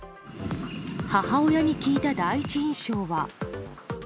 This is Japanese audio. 母親に聞いた第一印象は。